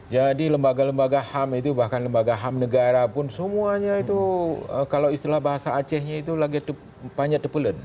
jadi lembaga lembaga ham itu bahkan lembaga ham negara pun semuanya itu kalau istilah bahasa acehnya itu lagi panjatepulen